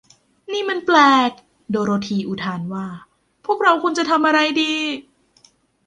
นี้มันแปลก โดโรธีอุทานว่า พวกเราควรจะทำอะไรดี